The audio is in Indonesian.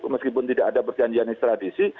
meskipun tidak ada perjanjian ekstradisi